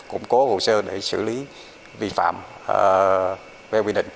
củng cố hồ sơ để xử lý vi phạm theo quy định